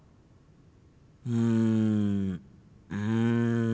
うんうん。